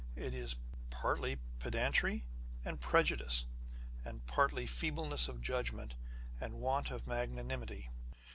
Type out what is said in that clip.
It is partly pedantry and prejudice, and partly feebleness of judgment and want of magnanimity.